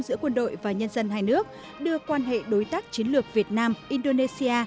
giữa quân đội và nhân dân hai nước đưa quan hệ đối tác chiến lược việt nam indonesia